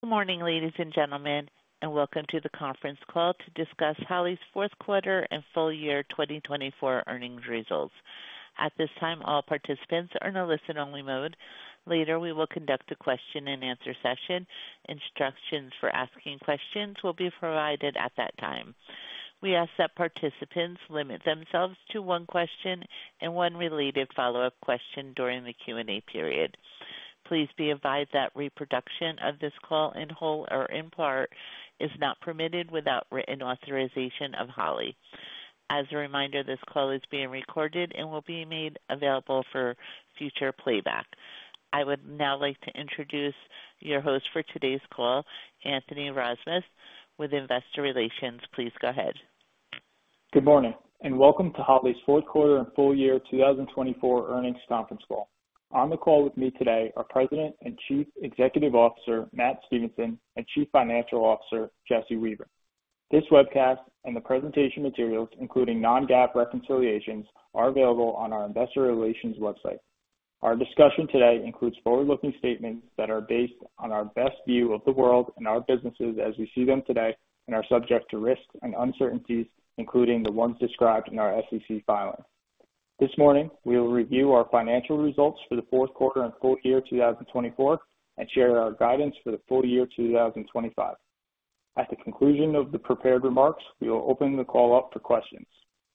Good morning, ladies and gentlemen, and welcome to the Conference Call to discuss Holley's Fourth Quarter and Full Year 2024 Earnings Results. At this time, all participants are in a listen-only mode. Later, we will conduct a question-and-answer session. Instructions for asking questions will be provided at that time. We ask that participants limit themselves to one question and one related follow-up question during the Q&A period. Please be advised that reproduction of this call in whole or in part is not permitted without written authorization of Holley. As a reminder, this call is being recorded and will be made available for future playback. I would now like to introduce your host for today's call, Anthony Rozmus, with Investor Relations. Please go ahead. Good morning and welcome to Holley's fourth quarter and full year 2024 earnings conference call. On the call with me today are President and Chief Executive Officer Matt Stevenson and Chief Financial Officer Jesse Weaver. This webcast and the presentation materials, including non-GAAP reconciliations, are available on our Investor Relations website. Our discussion today includes forward-looking statements that are based on our best view of the world and our businesses as we see them today and are subject to risks and uncertainties, including the ones described in our SEC filing. This morning, we will review our financial results for the fourth quarter and full year 2024 and share our guidance for the full year 2025. At the conclusion of the prepared remarks, we will open the call up for questions.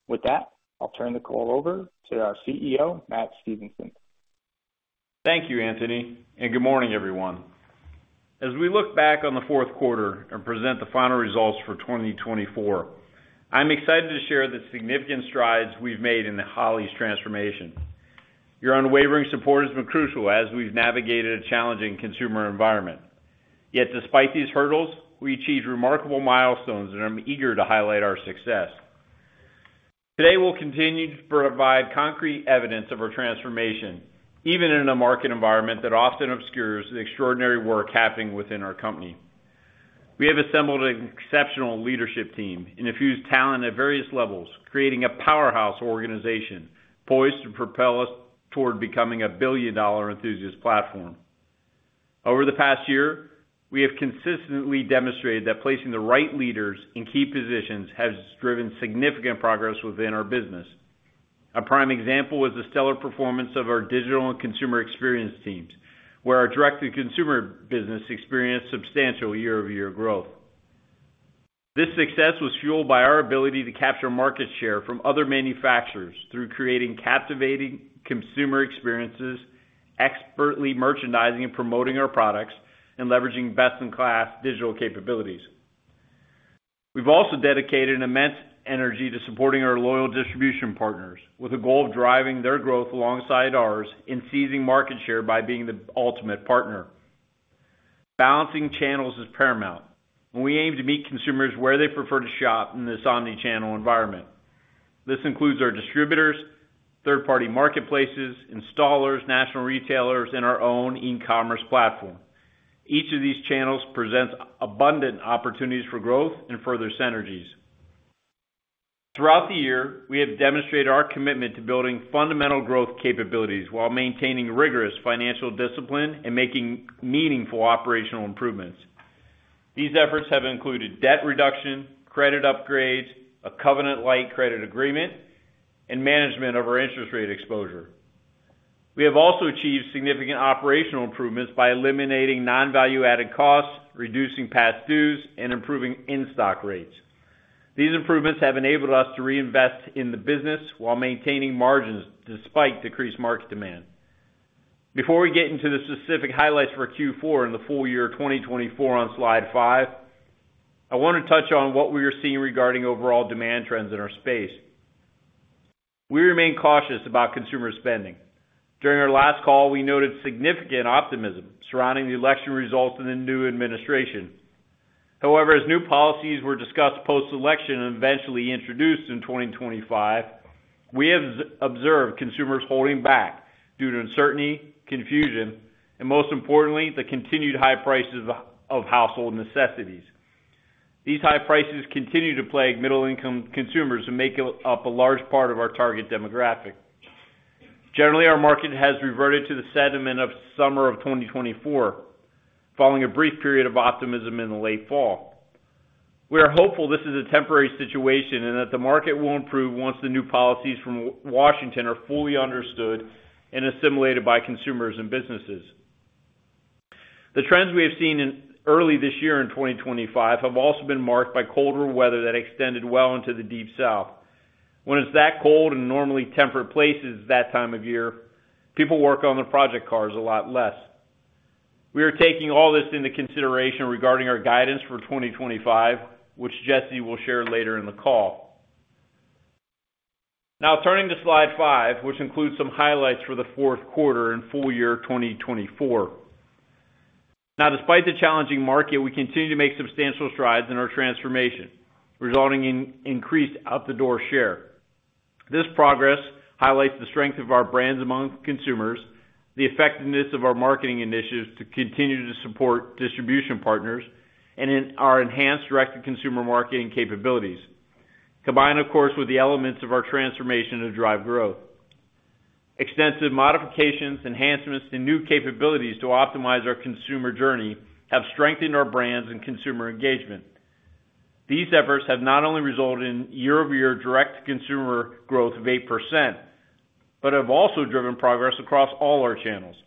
With that, I'll turn the call over to our CEO, Matt Stevenson. Thank you, Anthony, and good morning, everyone. As we look back on the fourth quarter and present the final results for 2024, I'm excited to share the significant strides we've made in Holley's transformation. Your unwavering support has been crucial as we've navigated a challenging consumer environment. Yet, despite these hurdles, we achieved remarkable milestones and I'm eager to highlight our success. Today, we'll continue to provide concrete evidence of our transformation, even in a market environment that often obscures the extraordinary work happening within our company. We have assembled an exceptional leadership team and infused talent at various levels, creating a powerhouse organization poised to propel us toward becoming $1 billion enthusiast platform. Over the past year, we have consistently demonstrated that placing the right leaders in key positions has driven significant progress within our business. A prime example was the stellar performance of our digital and consumer experience teams, where our direct-to-consumer business experienced substantial year-over-year growth. This success was fueled by our ability to capture market share from other manufacturers through creating captivating consumer experiences, expertly merchandising and promoting our products, and leveraging best-in-class digital capabilities. We've also dedicated immense energy to supporting our loyal distribution partners with a goal of driving their growth alongside ours in seizing market share by being the ultimate partner. Balancing channels is paramount, and we aim to meet consumers where they prefer to shop in this omnichannel environment. This includes our distributors, third-party marketplaces, installers, national retailers, and our own e-commerce platform. Each of these channels presents abundant opportunities for growth and further synergies. Throughout the year, we have demonstrated our commitment to building fundamental growth capabilities while maintaining rigorous financial discipline and making meaningful operational improvements. These efforts have included debt reduction, credit upgrades, a covenant-lite credit agreement, and management of our interest rate exposure. We have also achieved significant operational improvements by eliminating non-value-added costs, reducing past dues, and improving in-stock rates. These improvements have enabled us to reinvest in the business while maintaining margins despite decreased market demand. Before we get into the specific highlights for Q4 and the full year 2024, on slide 5, I want to touch on what we are seeing regarding overall demand trends in our space. We remain cautious about consumer spending. During our last call, we noted significant optimism surrounding the election results in the new administration. However, as new policies were discussed post-election and eventually introduced in 2025, we have observed consumers holding back due to uncertainty, confusion, and most importantly, the continued high prices of household necessities. These high prices continue to plague middle-income consumers who make up a large part of our target demographic. Generally, our market has reverted to the sentiment of summer of 2024, following a brief period of optimism in the late fall. We are hopeful this is a temporary situation and that the market will improve once the new policies from Washington are fully understood and assimilated by consumers and businesses. The trends we have seen early this year in 2025 have also been marked by colder weather that extended well into the Deep South. When it's that cold in normally temperate places that time of year, people work on their project cars a lot less. We are taking all this into consideration regarding our guidance for 2025, which Jesse will share later in the call. Now, turning to slide 5, which includes some highlights for the fourth quarter and full year 2024. Now, despite the challenging market, we continue to make substantial strides in our transformation, resulting in increased out-the-door share. This progress highlights the strength of our brands among consumers, the effectiveness of our marketing initiatives to continue to support distribution partners, and our enhanced direct-to-consumer marketing capabilities, combined, of course, with the elements of our transformation to drive growth. Extensive modifications, enhancements, and new capabilities to optimize our consumer journey have strengthened our brands and consumer engagement. These efforts have not only resulted in year-over-year direct-to-consumer growth of 8%, but have also driven progress across all our channels.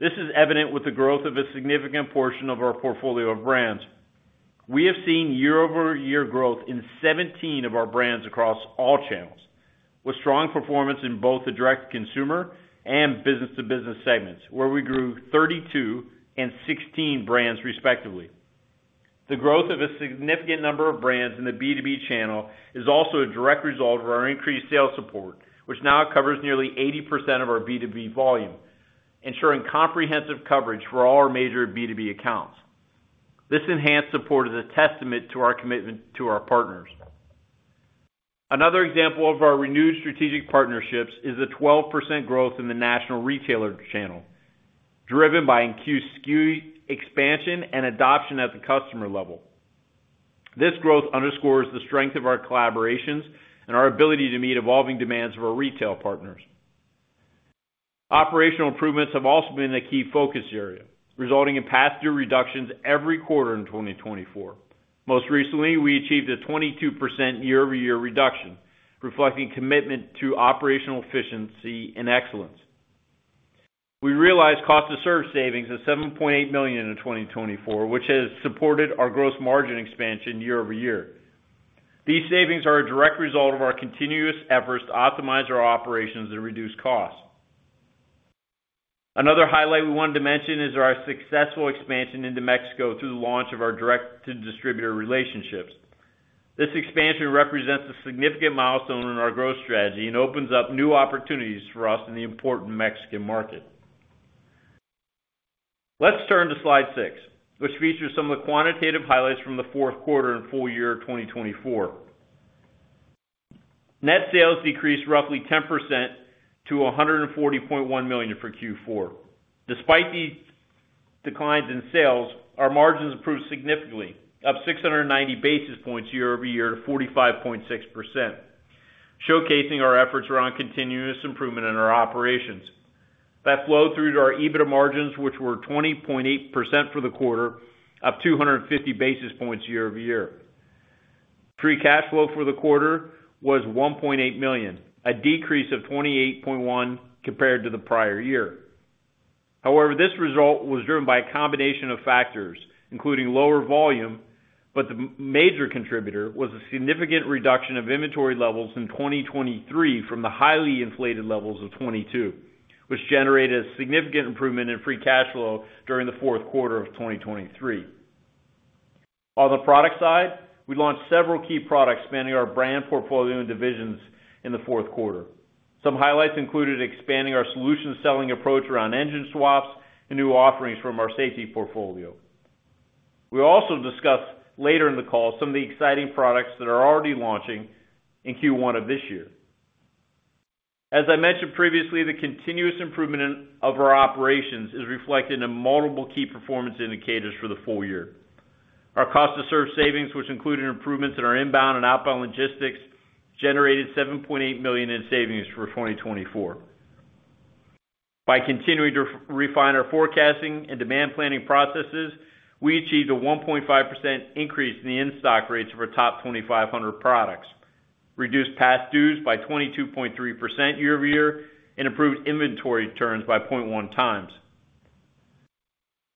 This is evident with the growth of a significant portion of our portfolio of brands. We have seen year-over-year growth in 17 of our brands across all channels, with strong performance in both the direct-to-consumer and business-to-business segments, where we grew 32 and 16 brands, respectively. The growth of a significant number of brands in the B2B channel is also a direct result of our increased sales support, which now covers nearly 80% of our B2B volume, ensuring comprehensive coverage for all our major B2B accounts. This enhanced support is a testament to our commitment to our partners. Another example of our renewed strategic partnerships is the 12% growth in the national retailer channel, driven by SKU expansion and adoption at the customer level. This growth underscores the strength of our collaborations and our ability to meet evolving demands of our retail partners. Operational improvements have also been a key focus area, resulting in past-due reductions every quarter in 2024. Most recently, we achieved a 22% year-over-year reduction, reflecting commitment to operational efficiency and excellence. We realized cost-to-serve savings of $7.8 million in 2024, which has supported our gross margin expansion year-over-year. These savings are a direct result of our continuous efforts to optimize our operations and reduce costs. Another highlight we wanted to mention is our successful expansion into Mexico through the launch of our direct-to-distributor relationships. This expansion represents a significant milestone in our growth strategy and opens up new opportunities for us in the important Mexican market. Let's turn to slide 6, which features some of the quantitative highlights from the fourth quarter and full year 2024. Net sales decreased roughly 10% to $140.1 million for Q4. Despite these declines in sales, our margins improved significantly, up 690 basis points year-over-year to 45.6%, showcasing our efforts around continuous improvement in our operations. That flowed through to our EBITDA margins, which were 20.8% for the quarter, up 250 basis points year-over-year. Free cash flow for the quarter was $1.8 million, a decrease of 28.1% compared to the prior year. However, this result was driven by a combination of factors, including lower volume, but the major contributor was a significant reduction of inventory levels in 2023 from the highly inflated levels of 2022, which generated a significant improvement in free cash flow during the fourth quarter of 2023. On the product side, we launched several key products spanning our brand portfolio and divisions in the fourth quarter. Some highlights included expanding our solution selling approach around engine swaps and new offerings from our safety portfolio. We also discussed later in the call some of the exciting products that are already launching in Q1 of this year. As I mentioned previously, the continuous improvement of our operations is reflected in multiple key performance indicators for the full year. Our cost-to-serve savings, which included improvements in our Inbound and Outbound Logistics, generated $7.8 million in savings for 2024. By continuing to refine our forecasting and demand planning processes, we achieved a 1.5% increase in the in-stock rates of our top 2,500 products, reduced past dues by 22.3% year-over-year, and improved inventory turns by 0.1x.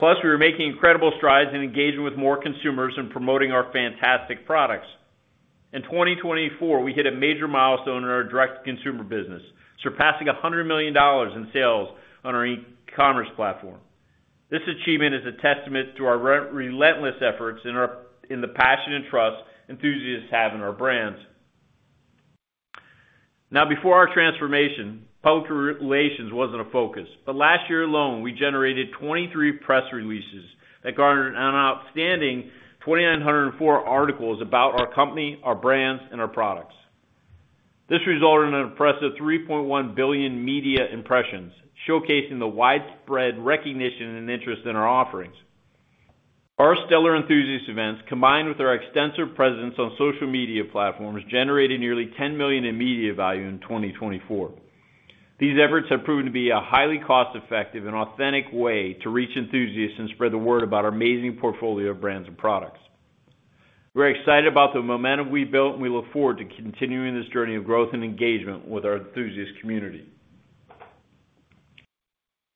Plus, we were making incredible strides in engaging with more consumers and promoting our fantastic products. In 2024, we hit a major milestone in our direct-to-consumer business, surpassing $100 million in sales on our e-commerce platform. This achievement is a testament to our relentless efforts and the passion and trust enthusiasts have in our brands. Now, before our transformation, public relations was not a focus, but last year alone, we generated 23 press releases that garnered an outstanding 2,904 articles about our company, our brands, and our products. This resulted in an impressive 3.1 billion media impressions, showcasing the widespread recognition and interest in our offerings. Our stellar enthusiast events, combined with our extensive presence on social media platforms, generated nearly $10 million in media value in 2024. These efforts have proven to be a highly cost-effective and authentic way to reach enthusiasts and spread the word about our amazing portfolio of brands and products. We are excited about the momentum we built, and we look forward to continuing this journey of growth and engagement with our enthusiast community.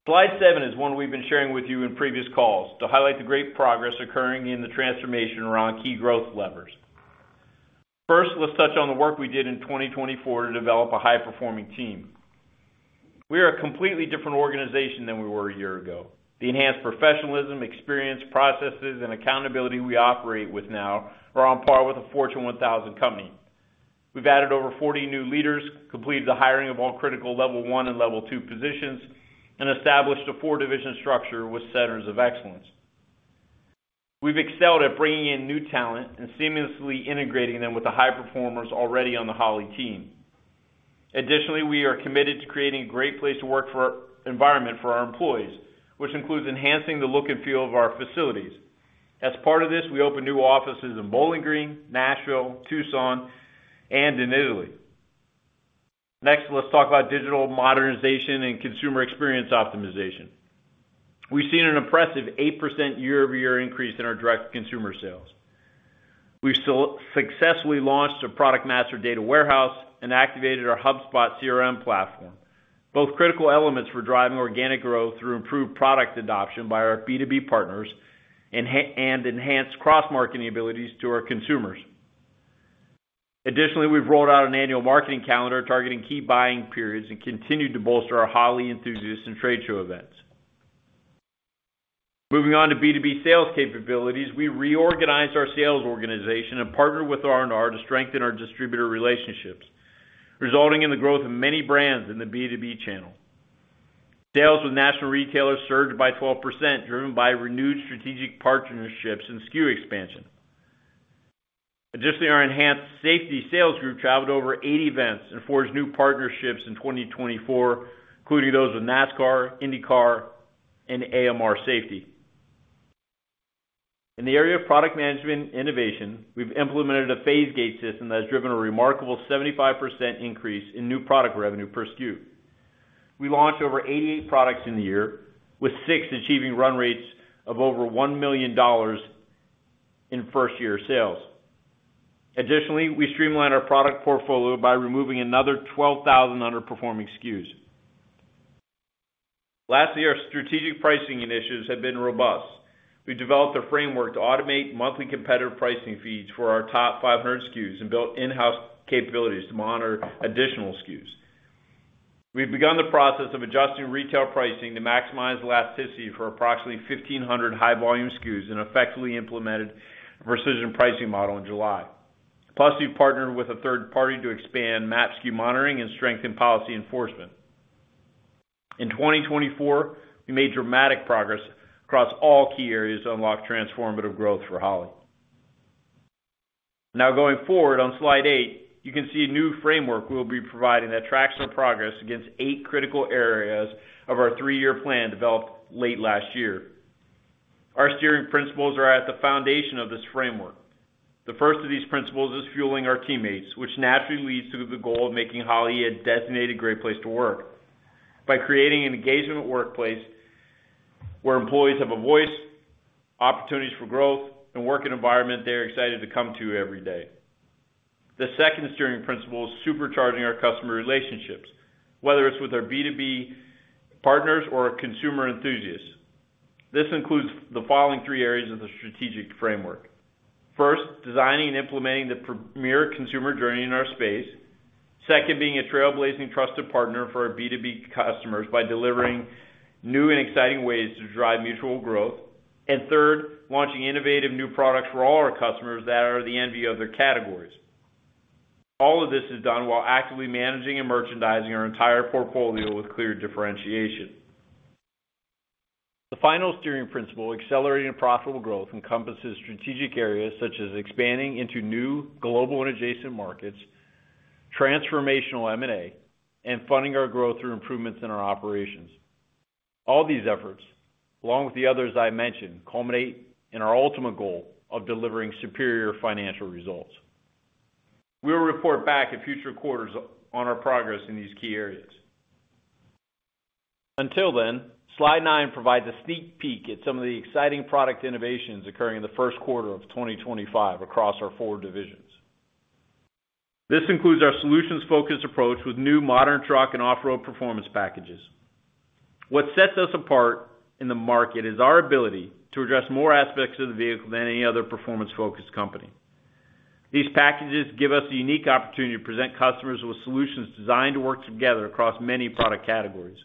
Slide 7 is one we have been sharing with you in previous calls to highlight the great progress occurring in the transformation around key growth levers. First, let's touch on the work we did in 2024 to develop a high-performing team. We are a completely different organization than we were a year ago. The enhanced professionalism, experience, processes, and accountability we operate with now are on par with a Fortune 1000 company. We've added over 40 new leaders, completed the hiring of all critical level one and level two positions, and established a four-division structure with centers of excellence. We've excelled at bringing in new talent and seamlessly integrating them with the high performers already on the Holley team. Additionally, we are committed to creating a great place to work for our employees, which includes enhancing the look and feel of our facilities. As part of this, we opened new offices in Bowling Green, Nashville, Tucson, and in Italy. Next, let's talk about digital modernization and consumer experience optimization. We've seen an impressive 8% year-over-year increase in our direct-to-consumer sales. We've successfully launched a product master data warehouse and activated our HubSpot CRM platform, both critical elements for driving organic growth through improved product adoption by our B2B partners and enhanced cross-marketing abilities to our consumers. Additionally, we've rolled out an annual marketing calendar targeting key buying periods and continued to bolster our Holley enthusiasts and trade show events. Moving on to B2B sales capabilities, we reorganized our sales organization and partnered with R&R to strengthen our distributor relationships, resulting in the growth of many brands in the B2B channel. Sales with national retailers surged by 12%, driven by renewed strategic partnerships and SKU expansion. Additionally, our enhanced safety sales group traveled over 80 events and forged new partnerships in 2024, including those with NASCAR, INDYCAR, and AMR Safety. In the area of product management innovation, we've implemented a phase gate system that has driven a remarkable 75% increase in new product revenue per SKU. We launched over 88 products in the year, with six achieving run rates of over $1 million in first-year sales. Additionally, we streamlined our product portfolio by removing another 12,000 underperforming SKUs. Last year, our strategic pricing initiatives have been robust. We've developed a framework to automate monthly competitive pricing feeds for our top 500 SKUs and built in-house capabilities to monitor additional SKUs. We've begun the process of adjusting retail pricing to maximize elasticity for approximately 1,500 high-volume SKUs and effectively implemented a precision pricing model in July. Plus, we've partnered with a third party to expand MAP SKU monitoring and strengthen policy enforcement. In 2024, we made dramatic progress across all key areas to unlock transformative growth for Holley. Now, going forward, on slide 8, you can see a new framework we will be providing that tracks our progress against eight critical areas of our three-year plan developed late last year. Our steering principles are at the foundation of this framework. The first of these principles is fueling our teammates, which naturally leads to the goal of making Holley a designated great place to work by creating an engagement workplace where employees have a voice, opportunities for growth, and a working environment they are excited to come to every day. The second steering principle is supercharging our customer relationships, whether it is with our B2B partners or consumer enthusiasts. This includes the following three areas of the strategic framework. First, designing and implementing the premier consumer journey in our space. Second, being a trailblazing trusted partner for our B2B customers by delivering new and exciting ways to drive mutual growth. Third, launching innovative new products for all our customers that are the envy of their categories. All of this is done while actively managing and merchandising our entire portfolio with clear differentiation. The final steering principle, accelerating profitable growth, encompasses strategic areas such as expanding into new global and adjacent markets, transformational M&A, and funding our growth through improvements in our operations. All these efforts, along with the others I mentioned, culminate in our ultimate goal of delivering superior financial results. We will report back in future quarters on our progress in these key areas. Until then, slide 9 provides a sneak peek at some of the exciting product innovations occurring in the first quarter of 2025 across our four divisions. This includes our solutions-focused approach with new Modern Truck & Off-Road performance packages. What sets us apart in the market is our ability to address more aspects of the vehicle than any other performance-focused company. These packages give us a unique opportunity to present customers with solutions designed to work together across many product categories.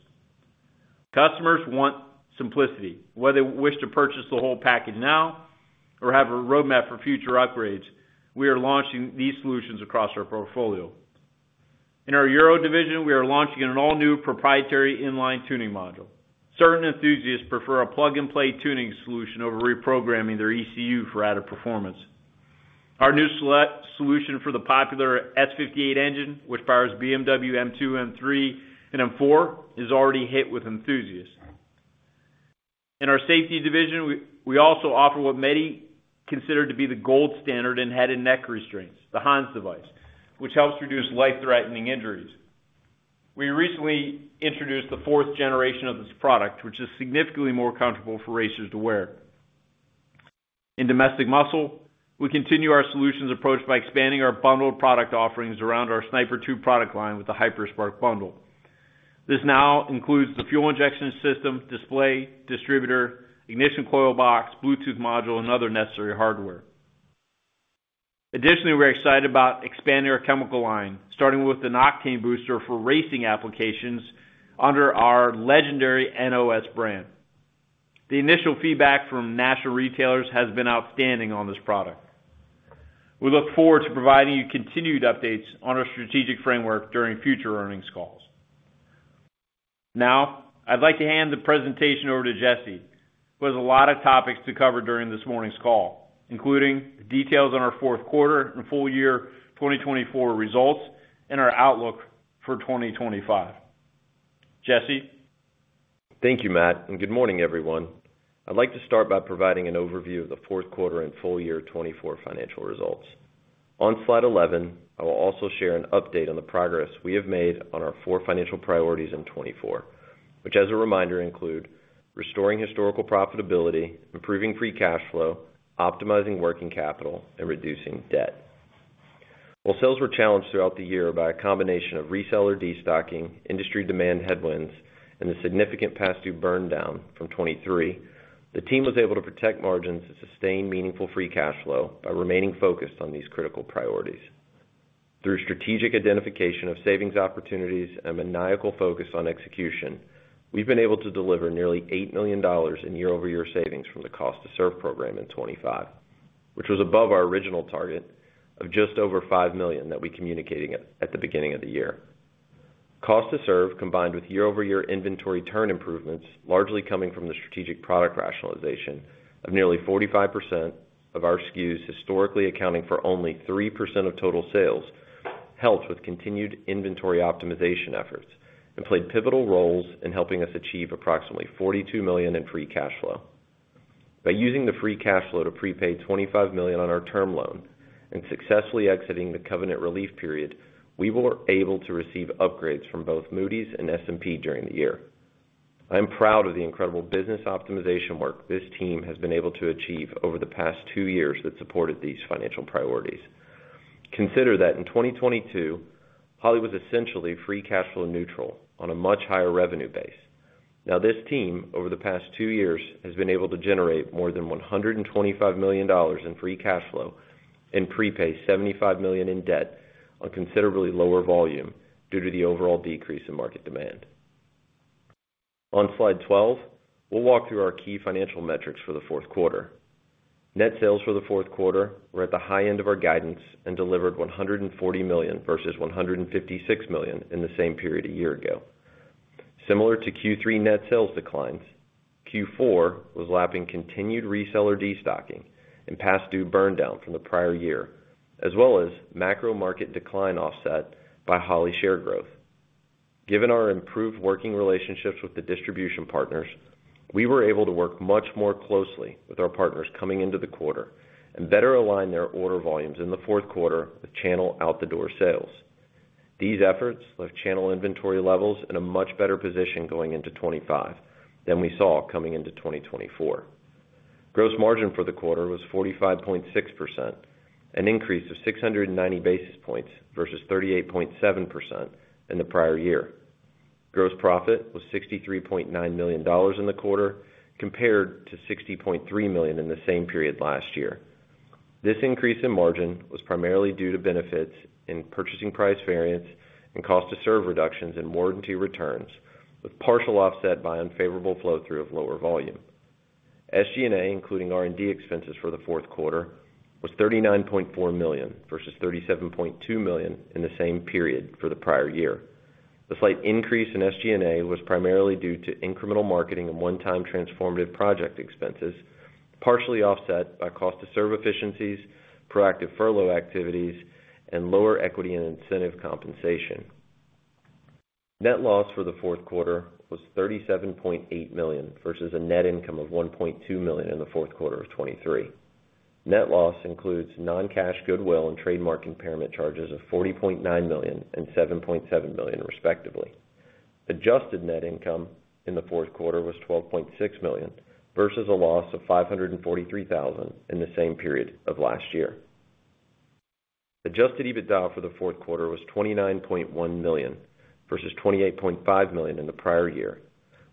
Customers want simplicity. Whether they wish to purchase the whole package now or have a roadmap for future upgrades, we are launching these solutions across our portfolio. In our Euro division, we are launching an all-new proprietary inline tuning module. Certain enthusiasts prefer a plug-and-play tuning solution over reprogramming their ECU for added performance. Our new select solution for the popular S58 engine, which powers BMW M2, M3, and M4, is already a hit with enthusiasts. In our Safety division, we also offer what many consider to be the gold standard in head and neck restraints, the HANS Device, which helps reduce life-threatening injuries. We recently introduced the fourth generation of this product, which is significantly more comfortable for racers to wear. In Domestic Muscle, we continue our solutions approach by expanding our bundled product offerings around our Sniper 2 product line with the HyperSpark bundle. This now includes the fuel injection system, display, distributor, ignition coil box, Bluetooth module, and other necessary hardware. Additionally, we're excited about expanding our chemical line, starting with the Octane Booster for racing applications under our legendary NOS brand. The initial feedback from national retailers has been outstanding on this product. We look forward to providing you continued updates on our strategic framework during future earnings calls. Now, I'd like to hand the presentation over to Jesse, who has a lot of topics to cover during this morning's call, including details on our fourth quarter and full year 2024 results and our outlook for 2025. Jesse? Thank you, Matt, and good morning, everyone. I'd like to start by providing an overview of the fourth quarter and full year 2024 financial results. On slide 11, I will also share an update on the progress we have made on our four financial priorities in 2024, which, as a reminder, include restoring historical profitability, improving free cash flow, optimizing working capital, and reducing debt. While sales were challenged throughout the year by a combination of reseller destocking, industry demand headwinds, and the significant past due burndown from 2023, the team was able to protect margins and sustain meaningful free cash flow by remaining focused on these critical priorities. Through strategic identification of savings opportunities and a maniacal focus on execution, we've been able to deliver nearly $8 million in year-over-year savings from the cost-to-serve program in 2025, which was above our original target of just over $5 million that we communicated at the beginning of the year. Cost-to-serve, combined with year-over-year inventory turn improvements, largely coming from the strategic product rationalization of nearly 45% of our SKUs historically accounting for only 3% of total sales, helped with continued inventory optimization efforts and played pivotal roles in helping us achieve approximately $42 million in free cash flow. By using the free cash flow to prepay $25 million on our term loan and successfully exiting the covenant relief period, we were able to receive upgrades from both Moody's and S&P during the year. I am proud of the incredible business optimization work this team has been able to achieve over the past two years that supported these financial priorities. Consider that in 2022, Holley was essentially free cash flow neutral on a much higher revenue base. Now, this team, over the past two years, has been able to generate more than $125 million in free cash flow and prepay $75 million in debt on considerably lower volume due to the overall decrease in market demand. On slide 12, we'll walk through our key financial metrics for the fourth quarter. Net sales for the fourth quarter were at the high end of our guidance and delivered $140 million versus $156 million in the same period a year ago. Similar to Q3 net sales declines, Q4 was lapping continued reseller destocking and past due burndown from the prior year, as well as macro market decline offset by Holley share growth. Given our improved working relationships with the distribution partners, we were able to work much more closely with our partners coming into the quarter and better align their order volumes in the fourth quarter with channel out-the-door sales. These efforts left channel inventory levels in a much better position going into 2025 than we saw coming into 2024. Gross margin for the quarter was 45.6%, an increase of 690 basis points versus 38.7% in the prior year. Gross profit was $63.9 million in the quarter, compared to $60.3 million in the same period last year. This increase in margin was primarily due to benefits in purchasing price variance and cost-to-serve reductions in warranty returns, with partial offset by unfavorable flow-through of lower volume. SG&A, including R&D expenses for the fourth quarter, was $39.4 million versus $37.2 million in the same period for the prior year. The slight increase in SG&A was primarily due to incremental marketing and one-time transformative project expenses, partially offset by cost-to-serve efficiencies, proactive furlough activities, and lower equity and incentive compensation. Net loss for the fourth quarter was $37.8 million versus a net income of $1.2 million in the fourth quarter of 2023. Net loss includes non-cash goodwill and trademark impairment charges of $40.9 million and $7.7 million, respectively. Adjusted net income in the fourth quarter was $12.6 million versus a loss of $543,000 in the same period of last year. Adjusted EBITDA for the fourth quarter was $29.1 million versus $28.5 million in the prior year.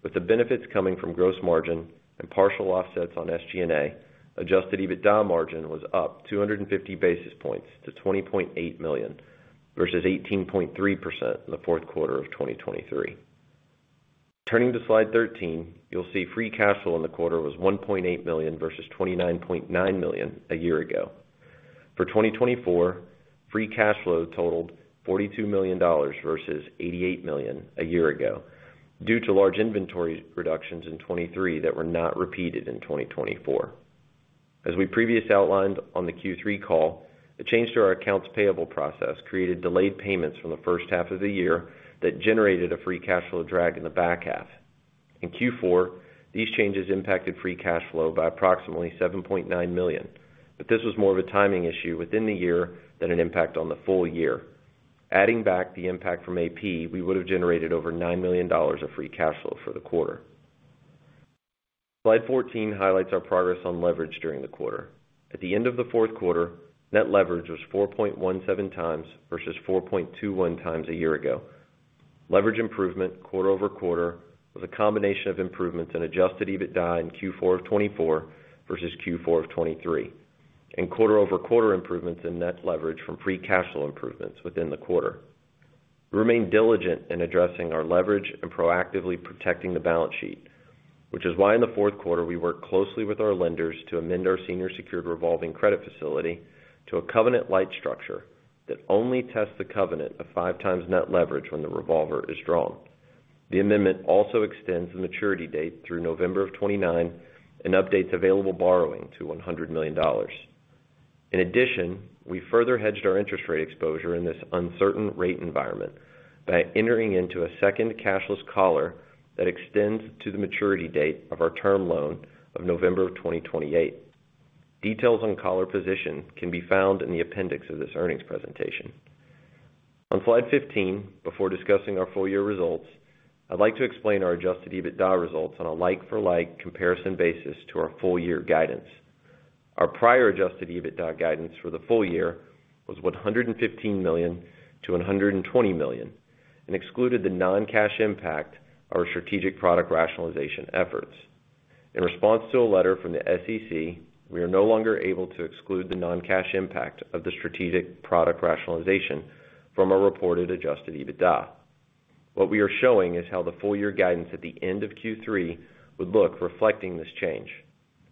With the benefits coming from gross margin and partial offsets on SG&A, adjusted EBITDA margin was up 250 basis points to 20.8% versus 18.3% in the fourth quarter of 2023. Turning to slide 13, you'll see free cash flow in the quarter was $1.8 million versus $29.9 million a year ago. For 2024, free cash flow totaled $42 million versus $88 million a year ago due to large inventory reductions in 2023 that were not repeated in 2024. As we previously outlined on the Q3 call, the change to our accounts payable process created delayed payments from the first half of the year that generated a free cash flow drag in the back half. In Q4, these changes impacted free cash flow by approximately $7.9 million, but this was more of a timing issue within the year than an impact on the full year. Adding back the impact from AP, we would have generated over $9 million of free cash flow for the quarter. Slide 14 highlights our progress on leverage during the quarter. At the end of the fourth quarter, net leverage was 4.17x versus 4.21x a year ago. Leverage improvement quarter over quarter was a combination of improvements in adjusted EBITDA in Q4 of 2024 versus Q4 of 2023, and quarter over quarter improvements in net leverage from free cash flow improvements within the quarter. We remain diligent in addressing our leverage and proactively protecting the balance sheet, which is why in the fourth quarter we worked closely with our lenders to amend our senior secured revolving credit facility to a covenant-lite structure that only tests the covenant of 5x net leverage when the revolver is drawn. The amendment also extends the maturity date through November of 2029 and updates available borrowing to $100 million. In addition, we further hedged our interest rate exposure in this uncertain rate environment by entering into a second cashless collar that extends to the maturity date of our term loan of November of 2028. Details on collar position can be found in the appendix of this earnings presentation. On slide 15, before discussing our full year results, I'd like to explain our adjusted EBITDA results on a like-for-like comparison basis to our full year guidance. Our prior adjusted EBITDA guidance for the full year was $115 million-$120 million and excluded the non-cash impact of our strategic product rationalization efforts. In response to a letter from the SEC, we are no longer able to exclude the non-cash impact of the strategic product rationalization from our reported adjusted EBITDA. What we are showing is how the full year guidance at the end of Q3 would look reflecting this change,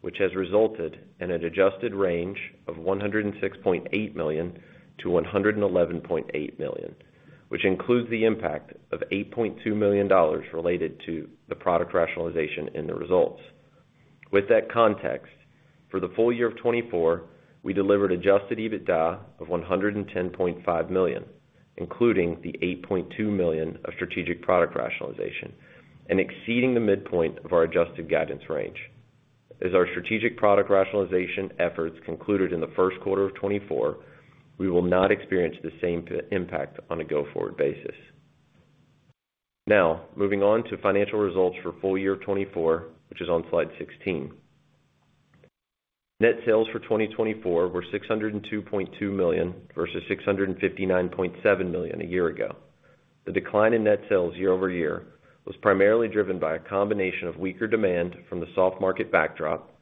which has resulted in an adjusted range of $106.8 million-$111.8 million, which includes the impact of $8.2 million related to the product rationalization in the results. With that context, for the full year of 2024, we delivered adjusted EBITDA of $110.5 million, including the $8.2 million of strategic product rationalization, and exceeding the midpoint of our adjusted guidance range. As our strategic product rationalization efforts concluded in the first quarter of 2024, we will not experience the same impact on a go-forward basis. Now, moving on to financial results for full year 2024, which is on slide 16. Net sales for 2024 were $602.2 million versus $659.7 million a year ago. The decline in net sales year over year was primarily driven by a combination of weaker demand from the soft market backdrop,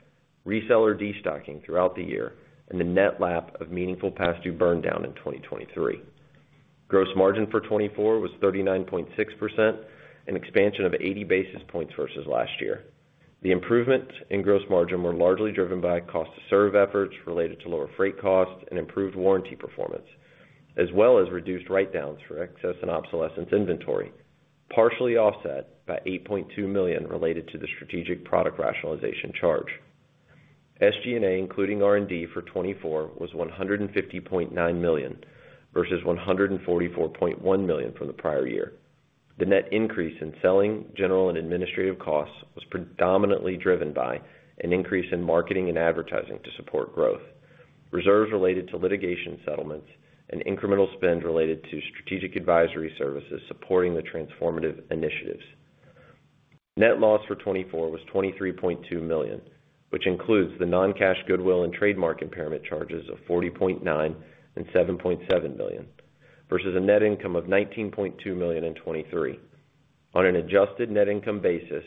reseller destocking throughout the year, and the net lap of meaningful past due burndown in 2023. Gross margin for 2024 was 39.6%, an expansion of 80 basis points versus last year. The improvements in gross margin were largely driven by cost-to-serve efforts related to lower freight costs and improved warranty performance, as well as reduced write-downs for excess and obsolescence inventory, partially offset by $8.2 million related to the strategic product rationalization charge. SG&A, including R&D for 2024, was $150.9 million versus $144.1 million from the prior year. The net increase in selling, general, and administrative costs was predominantly driven by an increase in marketing and advertising to support growth, reserves related to litigation settlements, and incremental spend related to strategic advisory services supporting the transformative initiatives. Net loss for 2024 was $23.2 million, which includes the non-cash goodwill and trademark impairment charges of $40.9 and $7.7 million versus a net income of $19.2 million in 2023. On an adjusted net income basis,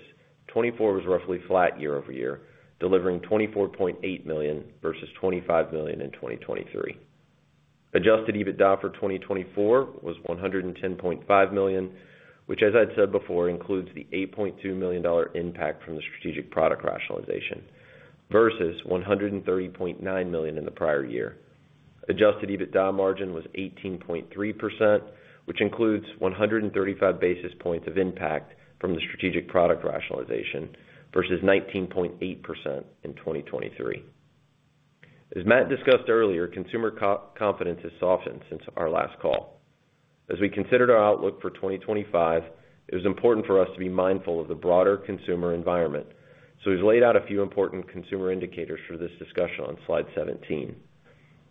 2024 was roughly flat year over year, delivering $24.8 million versus $25 million in 2023. Adjusted EBITDA for 2024 was $110.5 million, which, as I'd said before, includes the $8.2 million impact from the strategic product rationalization versus $130.9 million in the prior year. Adjusted EBITDA margin was 18.3%, which includes 135 basis points of impact from the strategic product rationalization versus 19.8% in 2023. As Matt discussed earlier, consumer confidence has softened since our last call. As we considered our outlook for 2025, it was important for us to be mindful of the broader consumer environment, so we've laid out a few important consumer indicators for this discussion on slide 17.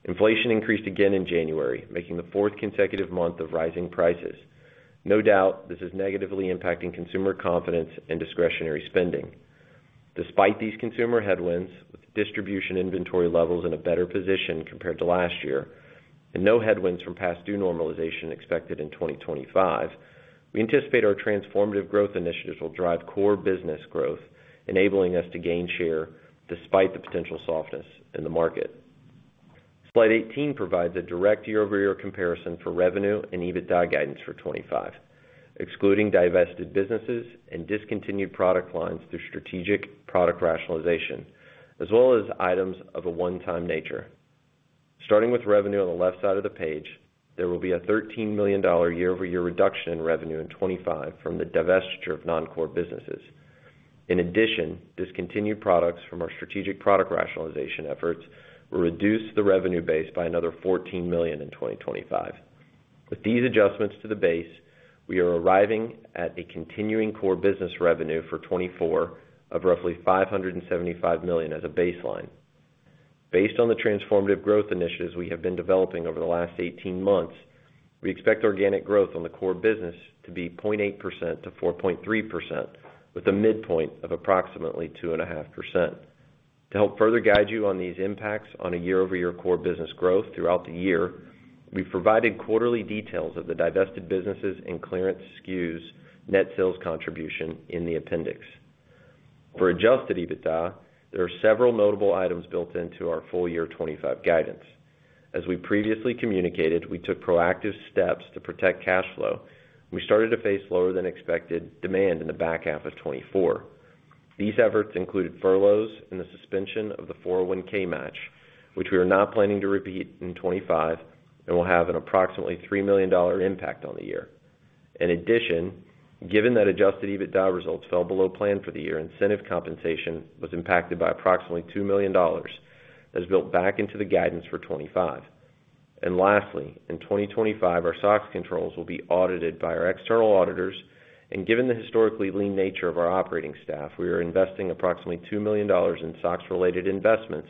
Inflation increased again in January, making the fourth consecutive month of rising prices. No doubt, this is negatively impacting consumer confidence and discretionary spending. Despite these consumer headwinds, with distribution inventory levels in a better position compared to last year and no headwinds from past due normalization expected in 2025, we anticipate our transformative growth initiatives will drive core business growth, enabling us to gain share despite the potential softness in the market. Slide 18 provides a direct year-over-year comparison for revenue and EBITDA guidance for 2025, excluding divested businesses and discontinued product lines through strategic product rationalization, as well as items of a one-time nature. Starting with revenue on the left side of the page, there will be a $13 million year-over-year reduction in revenue in 2025 from the divestiture of non-core businesses. In addition, discontinued products from our strategic product rationalization efforts will reduce the revenue base by another $14 million in 2025. With these adjustments to the base, we are arriving at a continuing core business revenue for 2024 of roughly $575 million as a baseline. Based on the transformative growth initiatives we have been developing over the last 18 months, we expect organic growth on the core business to be 0.8%-4.3%, with a midpoint of approximately 2.5%. To help further guide you on these impacts on a year-over-year core business growth throughout the year, we've provided quarterly details of the divested businesses and clearance SKUs net sales contribution in the appendix. For adjusted EBITDA, there are several notable items built into our full year 2025 guidance. As we previously communicated, we took proactive steps to protect cash flow, and we started to face lower-than-expected demand in the back half of 2024. These efforts included furloughs and the suspension of the 401(k) match, which we are not planning to repeat in 2025 and will have an approximately $3 million impact on the year. In addition, given that adjusted EBITDA results fell below plan for the year, incentive compensation was impacted by approximately $2 million that is built back into the guidance for 2025. Lastly, in 2025, our SOX controls will be audited by our external auditors, and given the historically lean nature of our operating staff, we are investing approximately $2 million in SOX-related investments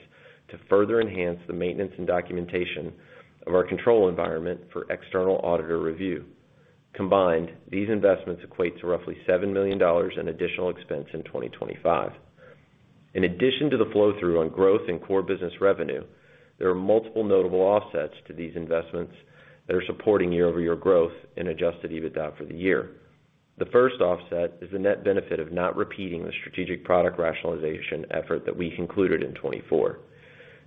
to further enhance the maintenance and documentation of our control environment for external auditor review. Combined, these investments equate to roughly $7 million in additional expense in 2025. In addition to the flow-through on growth and core business revenue, there are multiple notable offsets to these investments that are supporting year-over-year growth in adjusted EBITDA for the year. The first offset is the net benefit of not repeating the strategic product rationalization effort that we concluded in 2024.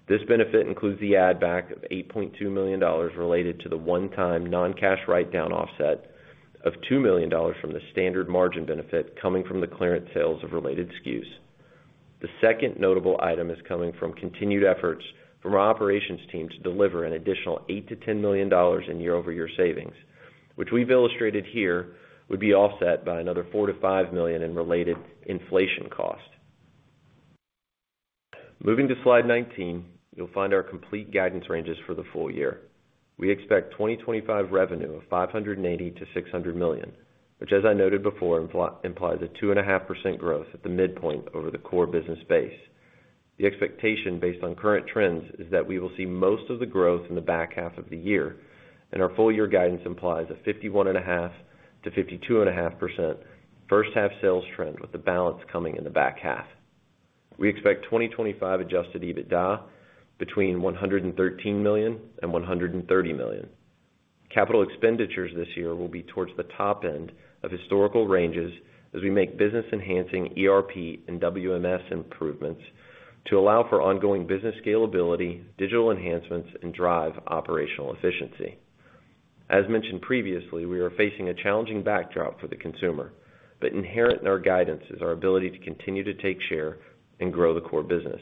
This benefit includes the add-back of $8.2 million related to the one-time non-cash write-down offset of $2 million from the standard margin benefit coming from the clearance sales of related SKUs. The second notable item is coming from continued efforts from our operations team to deliver an additional $8 million-$10 million in year-over-year savings, which we've illustrated here would be offset by another $4 million-$5 million in related inflation cost. Moving to slide 19, you'll find our complete guidance ranges for the full year. We expect 2025 revenue of $580 million-$600 million, which, as I noted before, implies a 2.5% growth at the midpoint over the core business base. The expectation based on current trends is that we will see most of the growth in the back half of the year, and our full year guidance implies a 51.5%-52.5% first-half sales trend with the balance coming in the back half. We expect 2025 adjusted EBITDA between $113 million and $130 million. Capital expenditures this year will be towards the top end of historical ranges as we make business-enhancing ERP and WMS improvements to allow for ongoing business scalability, digital enhancements, and drive operational efficiency. As mentioned previously, we are facing a challenging backdrop for the consumer, but inherent in our guidance is our ability to continue to take share and grow the core business.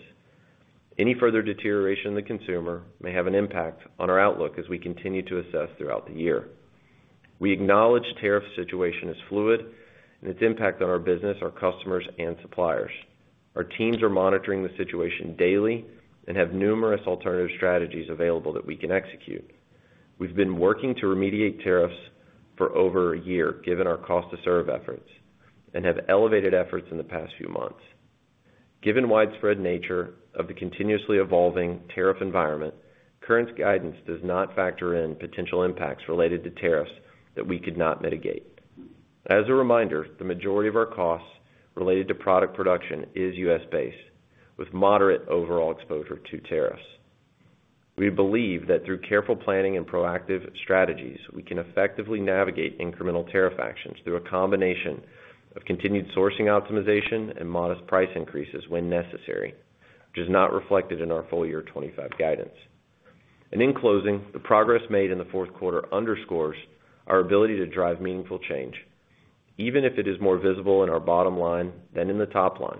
Any further deterioration in the consumer may have an impact on our outlook as we continue to assess throughout the year. We acknowledge the tariff situation is fluid and its impact on our business, our customers, and suppliers. Our teams are monitoring the situation daily and have numerous alternative strategies available that we can execute. We've been working to remediate tariffs for over a year given our cost-to-serve efforts and have elevated efforts in the past few months. Given widespread nature of the continuously evolving tariff environment, current guidance does not factor in potential impacts related to tariffs that we could not mitigate. As a reminder, the majority of our costs related to product production is U.S.-based, with moderate overall exposure to tariffs. We believe that through careful planning and proactive strategies, we can effectively navigate incremental tariff actions through a combination of continued sourcing optimization and modest price increases when necessary, which is not reflected in our full year 2025 guidance. In closing, the progress made in the fourth quarter underscores our ability to drive meaningful change, even if it is more visible in our bottom line than in the top line.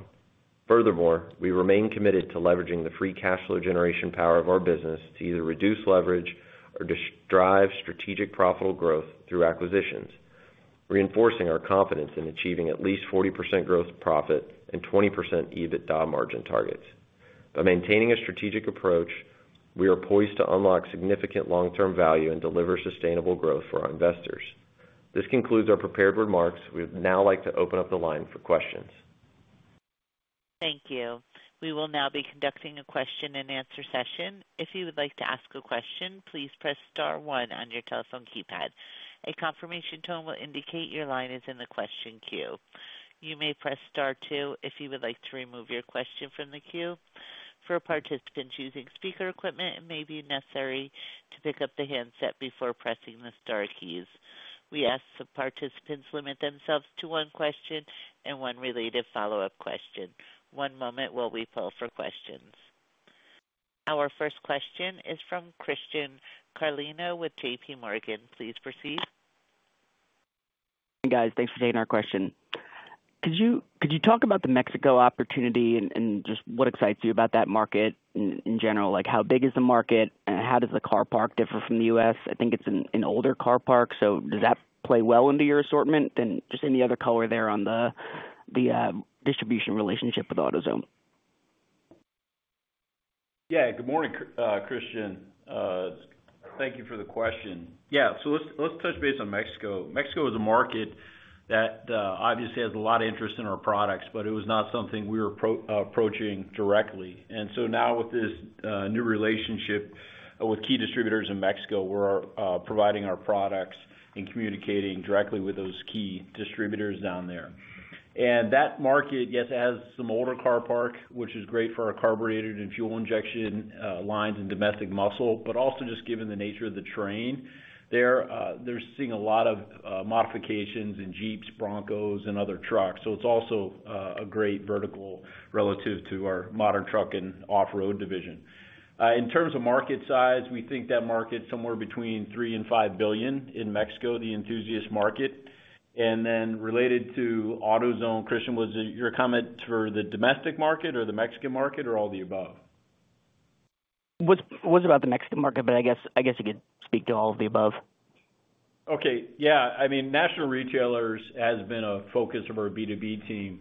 Furthermore, we remain committed to leveraging the free cash flow generation power of our business to either reduce leverage or drive strategic profitable growth through acquisitions, reinforcing our confidence in achieving at least 40% gross profit and 20% EBITDA margin targets. By maintaining a strategic approach, we are poised to unlock significant long-term value and deliver sustainable growth for our investors. This concludes our prepared remarks. We would now like to open up the line for questions. Thank you. We will now be conducting a question-and-answer session. If you would like to ask a question, please press Star 1 on your telephone keypad. A confirmation tone will indicate your line is in the question queue. You may press Star 2 if you would like to remove your question from the queue. For participants using speaker equipment, it may be necessary to pick up the handset before pressing the Star keys. We ask that participants limit themselves to one question and one related follow-up question. One moment while we pull for questions. Our first question is from Christian Carlino with J.P. Morgan. Please proceed. Hey, guys. Thanks for taking our question. Could you talk about the Mexico opportunity and just what excites you about that market in general? How big is the market, and how does the car park differ from the U.S.? I think it's an older car park, so does that play well into your assortment? Just any other color there on the distribution relationship with AutoZone? Yeah. Good morning, Christian. Thank you for the question. Yeah. Let's touch base on Mexico. Mexico is a market that obviously has a lot of interest in our products, but it was not something we were approaching directly. Now with this new relationship with key distributors in Mexico, we're providing our products and communicating directly with those key distributors down there. That market, yes, it has some older car park, which is great for our carbureted and fuel injection lines and domestic muscle, but also just given the nature of the terrain there, they're seeing a lot of modifications in Jeeps, Broncos, and other trucks. It is also a great vertical relative to our modern truck and off-road division. In terms of market size, we think that market is somewhere between $3 billion and $5 billion in Mexico, the enthusiast market. Related to AutoZone, Christian, was your comment for the domestic market or the Mexican market or all of the above? It was about the Mexican market, but I guess you could speak to all of the above. Okay. Yeah. I mean, national retailers have been a focus of our B2B team.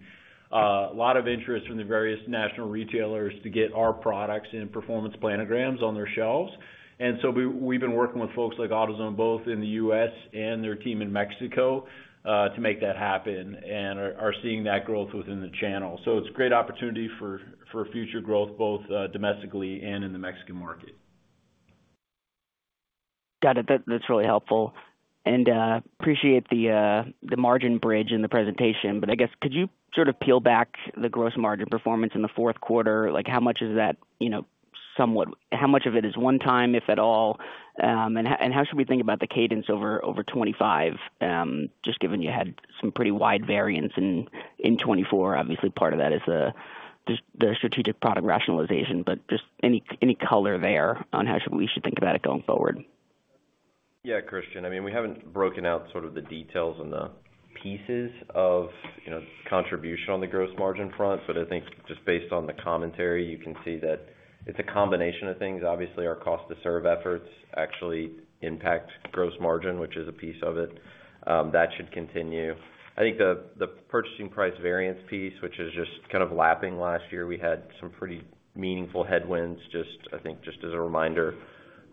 A lot of interest from the various national retailers to get our products and performance planograms on their shelves. We have been working with folks like AutoZone, both in the U.S. and their team in Mexico, to make that happen and are seeing that growth within the channel. It is a great opportunity for future growth, both domestically and in the Mexican market. Got it. That is really helpful. I appreciate the margin bridge in the presentation. I guess, could you sort of peel back the gross margin performance in the fourth quarter? How much is that, somewhat, how much of it is one-time, if at all? How should we think about the cadence over 2025, just given you had some pretty wide variance in 2024? Obviously, part of that is the strategic product rationalization, but just any color there on how we should think about it going forward. Yeah, Christian. I mean, we haven't broken out sort of the details and the pieces of contribution on the gross margin front, but I think just based on the commentary, you can see that it's a combination of things. Obviously, our cost-to-serve efforts actually impact gross margin, which is a piece of it. That should continue. I think the purchasing price variance piece, which is just kind of lapping last year, we had some pretty meaningful headwinds, I think just as a reminder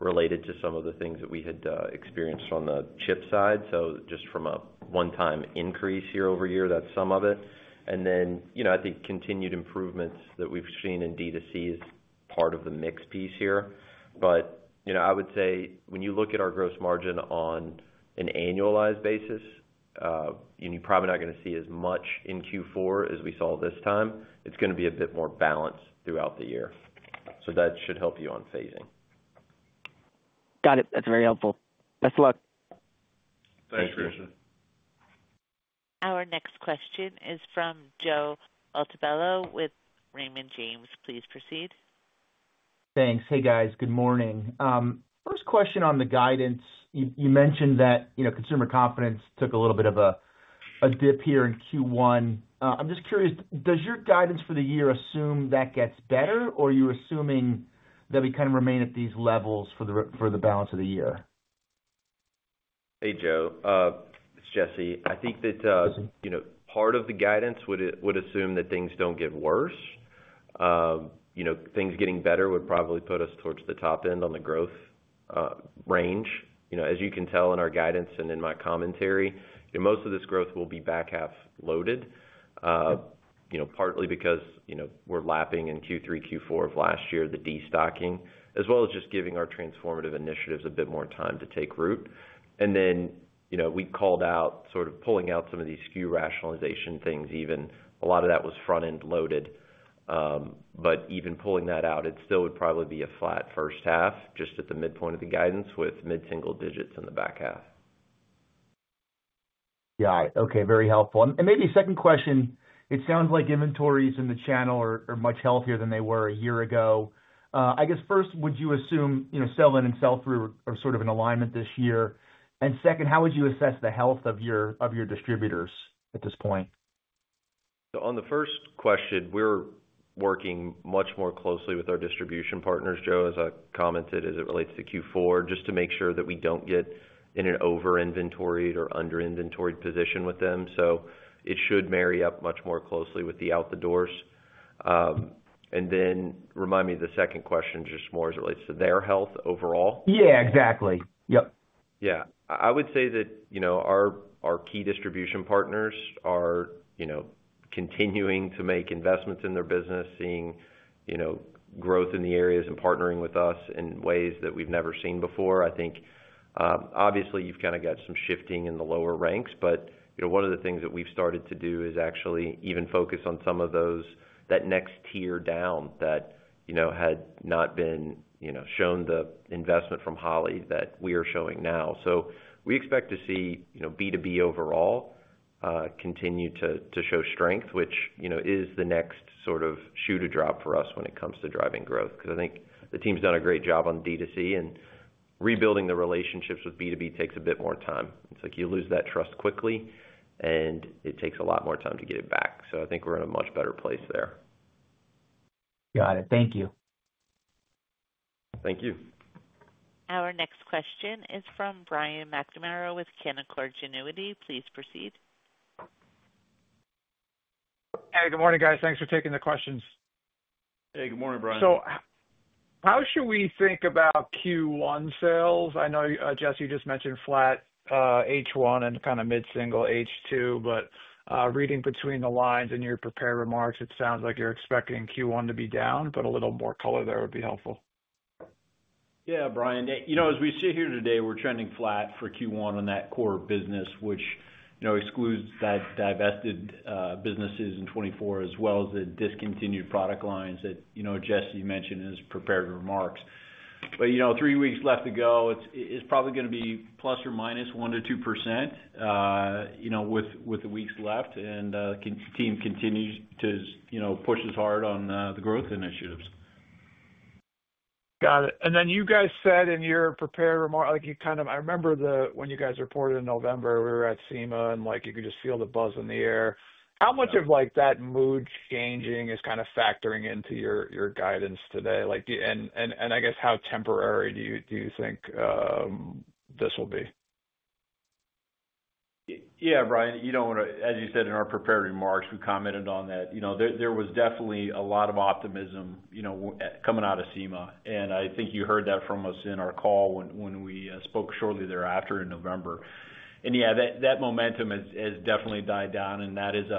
related to some of the things that we had experienced on the chip side. Just from a one-time increase year-over-year, that's some of it. I think continued improvements that we've seen in D2C is part of the mix piece here. I would say when you look at our gross margin on an annualized basis, you're probably not going to see as much in Q4 as we saw this time. It's going to be a bit more balanced throughout the year. That should help you on phasing. Got it. That's very helpful. Best of luck. Thanks, Christian. Thanks, Christian. Our next question is from Joe Altobello with Raymond James. Please proceed. Thanks. Hey, guys. Good morning. First question on the guidance. You mentioned that consumer confidence took a little bit of a dip here in Q1. I'm just curious, does your guidance for the year assume that gets better, or are you assuming that we kind of remain at these levels for the balance of the year? Hey, Joe. It's Jesse. I think that part of the guidance would assume that things don't get worse. Things getting better would probably put us towards the top end on the growth range. As you can tell in our guidance and in my commentary, most of this growth will be back-half loaded, partly because we're lapping in Q3, Q4 of last year, the destocking, as well as just giving our transformative initiatives a bit more time to take root. We called out sort of pulling out some of these SKU rationalization things even. A lot of that was front-end loaded. Even pulling that out, it still would probably be a flat first half just at the midpoint of the guidance with mid-single digits in the back half. Got it. Okay. Very helpful. Maybe second question, it sounds like inventories in the channel are much healthier than they were a year ago. I guess first, would you assume sell-in and sell-through are sort of in alignment this year? Second, how would you assess the health of your distributors at this point? On the first question, we're working much more closely with our distribution partners, Joe, as I commented as it relates to Q4, just to make sure that we do not get in an over-inventoried or under-inventoried position with them. It should marry up much more closely with the out-the-doors. Remind me of the second question just more as it relates to their health overall. Yeah, exactly. Yep. I would say that our key distribution partners are continuing to make investments in their business, seeing growth in the areas and partnering with us in ways that we have never seen before. I think, obviously, you've kind of got some shifting in the lower ranks, but one of the things that we've started to do is actually even focus on some of that next tier down that had not been shown the investment from Holley that we are showing now. We expect to see B2B overall continue to show strength, which is the next sort of shoe-to-drop for us when it comes to driving growth. I think the team's done a great job on D2C, and rebuilding the relationships with B2B takes a bit more time. It's like you lose that trust quickly, and it takes a lot more time to get it back. I think we're in a much better place there. Got it. Thank you. Thank you. Our next question is from Brian McNamara with Canaccord Genuity. Please proceed. Hey, good morning, guys. Thanks for taking the questions. Hey, good morning, Brian. How should we think about Q1 sales? I know, Jesse, you just mentioned flat H1 and kind of mid-single H2, but reading between the lines in your prepared remarks, it sounds like you're expecting Q1 to be down, but a little more color there would be helpful. Yeah, Brian. As we sit here today, we're trending flat for Q1 in that core business, which excludes the divested businesses in 2024, as well as the discontinued product lines that Jesse mentioned in his prepared remarks. With three weeks left to go, it's probably going to be plus or minus 1%-2% with the weeks left, and the team continues to push as hard on the growth initiatives. Got it. You guys said in your prepared remark, I remember when you guys reported in November, we were at SEMA, and you could just feel the buzz in the air. How much of that mood changing is kind of factoring into your guidance today? I guess, how temporary do you think this will be? Yeah, Brian, as you said in our prepared remarks, we commented on that. There was definitely a lot of optimism coming out of SEMA, and I think you heard that from us in our call when we spoke shortly thereafter in November. That momentum has definitely died down, and that is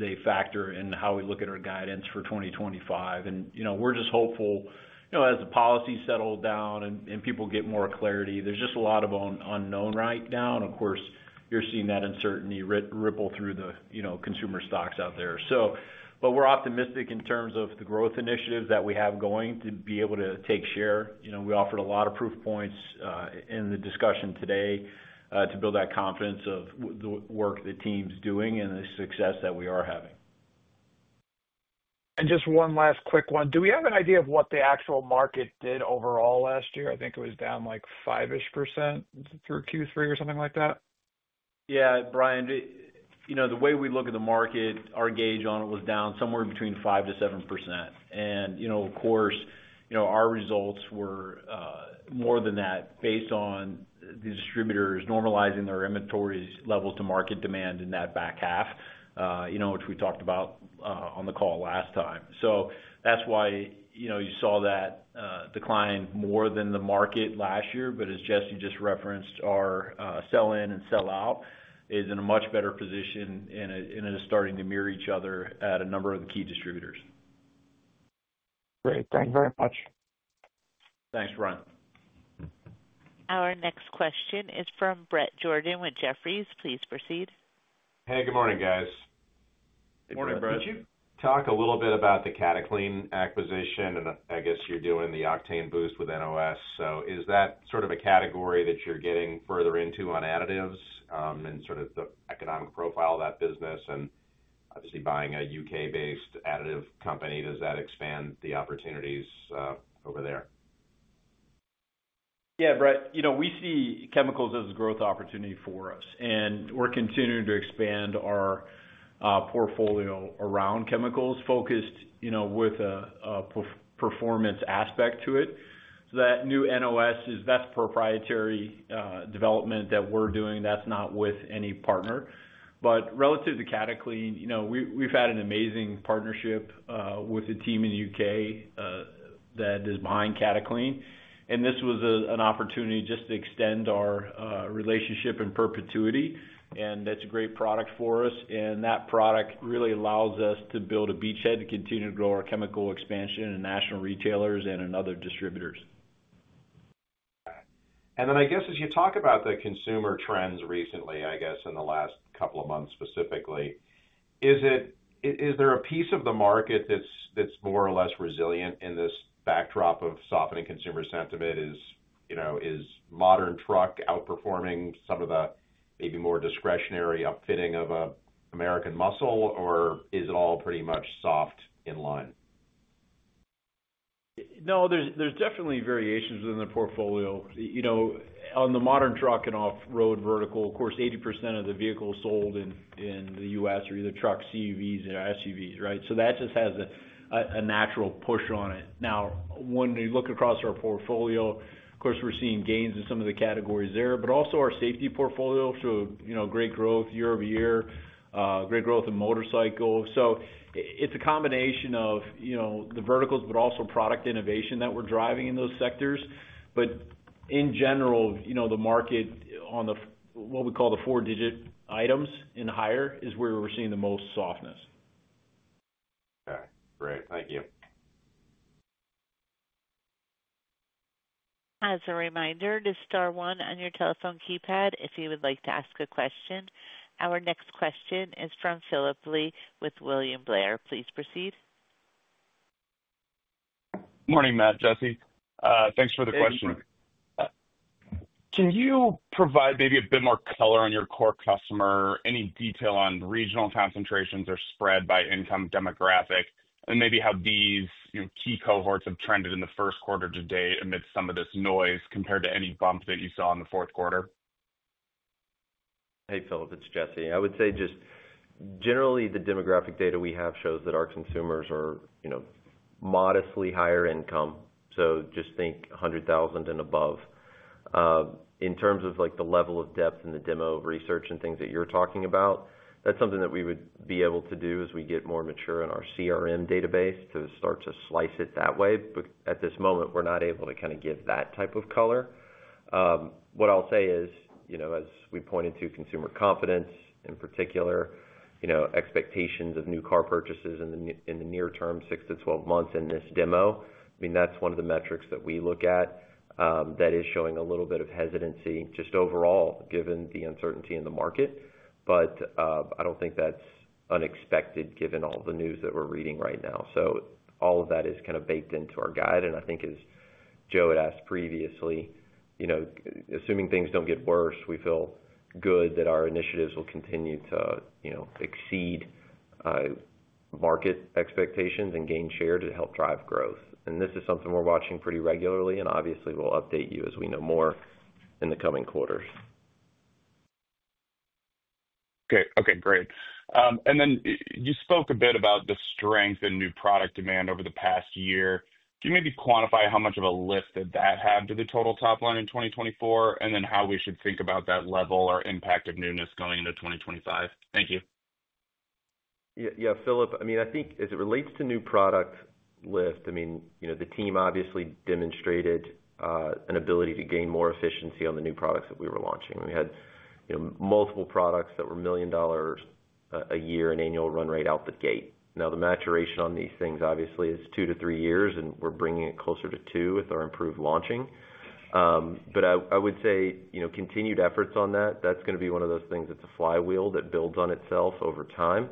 a factor in how we look at our guidance for 2025. We are just hopeful as the policy settles down and people get more clarity. There is just a lot of unknown right now. Of course, you're seeing that uncertainty ripple through the consumer stocks out there. We're optimistic in terms of the growth initiatives that we have going to be able to take share. We offered a lot of proof points in the discussion today to build that confidence of the work that the team's doing and the success that we are having. Just one last quick one. Do we have an idea of what the actual market did overall last year? I think it was down like 5%-ish through Q3 or something like that. Yeah, Brian. The way we look at the market, our gauge on it was down somewhere between 5%-7%. Of course, our results were more than that based on the distributors normalizing their inventory levels to market demand in that back half, which we talked about on the call last time. That is why you saw that decline more than the market last year. As Jesse just referenced, our sell-in and sell-out is in a much better position, and it is starting to mirror each other at a number of the key distributors. Great. Thanks very much. Thanks, Brian. Our next question is from Bret Jordan with Jefferies. Please proceed. Hey, good morning, guys. Good morning, Bret. Could you talk a little bit about the Cataclean acquisition? I guess you are doing the octane boost with NOS. Is that sort of a category that you are getting further into on additives and sort of the economic profile of that business? Obviously, buying a U.K.-based additive company, does that expand the opportunities over there? Yeah, Bret. We see chemicals as a growth opportunity for us, and we're continuing to expand our portfolio around chemicals focused with a performance aspect to it. That new NOS, that's proprietary development that we're doing. That's not with any partner. Relative to Cataclean, we've had an amazing partnership with a team in the U.K. that is behind Cataclean. This was an opportunity just to extend our relationship in perpetuity. That's a great product for us. That product really allows us to build a beachhead to continue to grow our chemical expansion in national retailers and in other distributors. I guess as you talk about the consumer trends recently, I guess in the last couple of months specifically, is there a piece of the market that's more or less resilient in this backdrop of softening consumer sentiment? Modern Truck outperforming some of the maybe more discretionary upfitting of an American muscle, or is it all pretty much soft in line? No, there's definitely variations within the portfolio. On the Modern Truck & Off-Road vertical, of course, 80% of the vehicles sold in the U.S. are either trucks, CUVs, or SUVs, right? That just has a natural push on it. Now, when you look across our portfolio, of course, we're seeing gains in some of the categories there, but also our safety portfolio. Great growth year over year, great growth in motorcycles. It is a combination of the verticals, but also product innovation that we're driving in those sectors. In general, the market on what we call the four-digit items and higher is where we're seeing the most softness. Okay. Great. Thank you. As a reminder, to star one on your telephone keypad if you would like to ask a question. Our next question is from Phillip Blee with William Blair. Please proceed. Morning, Matt, Jesse. Thanks for the question. Can you provide maybe a bit more color on your core customer? Any detail on regional concentrations or spread by income demographic, and maybe how these key cohorts have trended in the first quarter to date amidst some of this noise compared to any bump that you saw in the fourth quarter? Hey, Phillip, it's Jesse. I would say just generally, the demographic data we have shows that our consumers are modestly higher income. So just think $100,000 and above. In terms of the level of depth in the demo of research and things that you're talking about, that's something that we would be able to do as we get more mature in our CRM database to start to slice it that way. At this moment, we're not able to kind of give that type of color. What I'll say is, as we pointed to consumer confidence in particular, expectations of new car purchases in the near term, 6 to 12 months in this demo, I mean, that's one of the metrics that we look at that is showing a little bit of hesitancy just overall given the uncertainty in the market. I don't think that's unexpected given all the news that we're reading right now. All of that is kind of baked into our guide. I think, as Joe had asked previously, assuming things do not get worse, we feel good that our initiatives will continue to exceed market expectations and gain share to help drive growth. This is something we are watching pretty regularly. Obviously, we will update you as we know more in the coming quarters. Okay. Great. You spoke a bit about the strength and new product demand over the past year. Can you maybe quantify how much of a lift that had to the total top line in 2024, and then how we should think about that level or impact of newness going into 2025? Thank you. Yeah, Phillip, I mean, I think as it relates to new product lift, the team obviously demonstrated an ability to gain more efficiency on the new products that we were launching. We had multiple products that were million dollars a year in annual run rate out the gate. Now, the maturation on these things obviously is two to three years, and we're bringing it closer to two with our improved launching. I would say continued efforts on that, that's going to be one of those things that's a flywheel that builds on itself over time.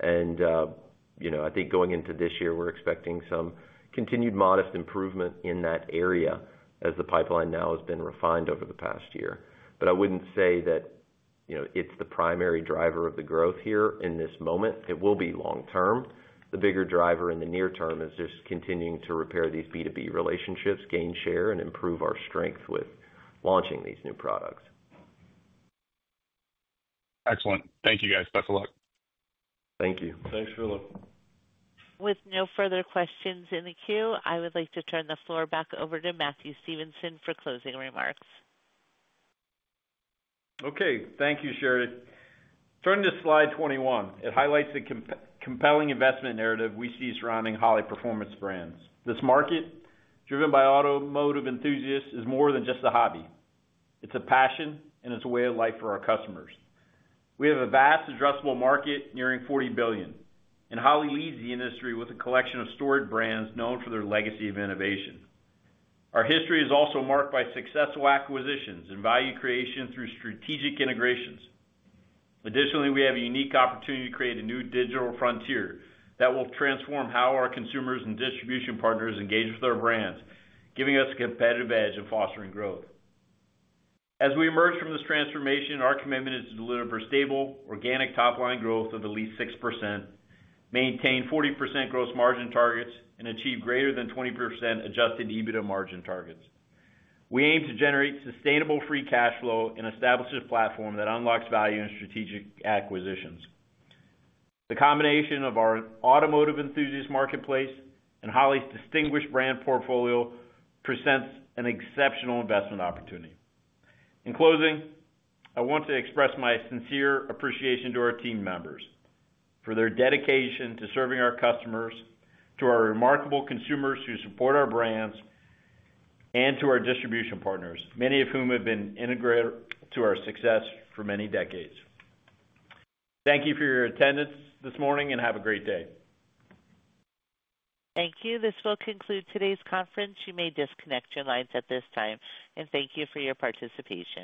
I think going into this year, we're expecting some continued modest improvement in that area as the pipeline now has been refined over the past year. I wouldn't say that it's the primary driver of the growth here in this moment. It will be long term. The bigger driver in the near term is just continuing to repair these B2B relationships, gain share, and improve our strength with launching these new products. Excellent. Thank you, guys. Best of luck. Thank you. Thanks, Phillip. With no further questions in the queue, I would like to turn the floor back over to Matt Stevenson for closing remarks. Okay. Thank you, Sherry. Turning to slide 21, it highlights the compelling investment narrative we see surrounding Holley Performance Brands. This market, driven by automotive enthusiasts, is more than just a hobby. It's a passion, and it's a way of life for our customers. We have a vast, addressable market nearing $40 billion, and Holley leads the industry with a collection of storied brands known for their legacy of innovation. Our history is also marked by successful acquisitions and value creation through strategic integrations. Additionally, we have a unique opportunity to create a new digital frontier that will transform how our consumers and distribution partners engage with our brands, giving us a competitive edge in fostering growth. As we emerge from this transformation, our commitment is to deliver stable, organic top-line growth of at least 6%, maintain 40% gross margin targets, and achieve greater than 20% adjusted EBITDA margin targets. We aim to generate sustainable free cash flow and establish a platform that unlocks value in strategic acquisitions. The combination of our automotive enthusiast marketplace and Holley's distinguished brand portfolio presents an exceptional investment opportunity. In closing, I want to express my sincere appreciation to our team members for their dedication to serving our customers, to our remarkable consumers who support our brands, and to our distribution partners, many of whom have been integrated to our success for many decades. Thank you for your attendance this morning, and have a great day. Thank you. This will conclude today's conference. You may disconnect your lines at this time. Thank you for your participation.